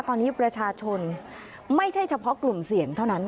ตอนนี้ประชาชนไม่ใช่เฉพาะกลุ่มเสี่ยงเท่านั้น